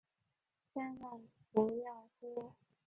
千万不要哭！